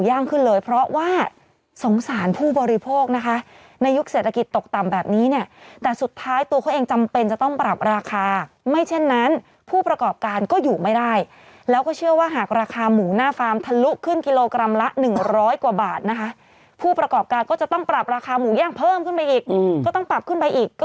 แต่คนนี้บอกเตะปากได้เลยเขาว่าอย่างนั้น